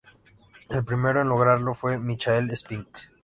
El primero en lograrlo fue Michael Spinks.